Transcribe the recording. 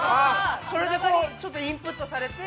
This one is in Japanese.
それでちょっとインプットされて？